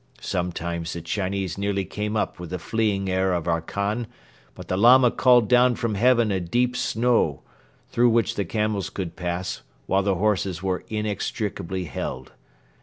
Sometimes the Chinese nearly came up with the fleeing heir of our Khan but the Lama called down from Heaven a deep snow, through which the camels could pass while the horses were inextricably held.